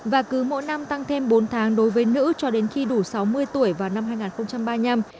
và cứ mỗi năm tăng thêm bốn tháng đối với nữ cho đến khi đủ sáu mươi tuổi vào năm hai nghìn ba mươi năm